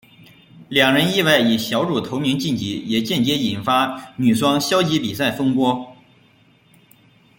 两人意外以小组头名晋级也间接引发女双消极比赛风波。